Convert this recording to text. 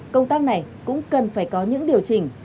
công tác này cũng cần phải có những điều chỉnh